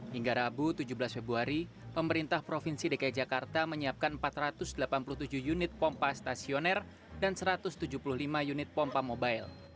hingga rabu tujuh belas februari pemerintah provinsi dki jakarta menyiapkan empat ratus delapan puluh tujuh unit pompa stasioner dan satu ratus tujuh puluh lima unit pompa mobile